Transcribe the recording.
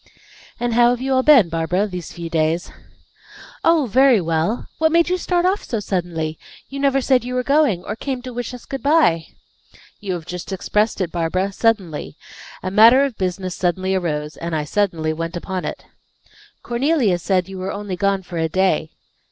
"And how have you all been, Barbara, these few days?" "Oh, very well. What made you start off so suddenly? You never said you were going, or came to wish us good bye." "You have just expressed it, Barbara 'suddenly.' A matter of business suddenly arose, and I suddenly went upon it." "Cornelia said you were only gone for a day."